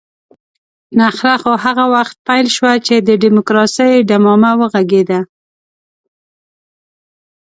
نخره خو هغه وخت پيل شوه چې د ډيموکراسۍ ډمامه وغږېده.